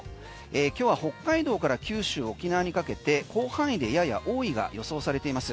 今日は北海道から九州、沖縄にかけて広範囲でやや多いが予想されています。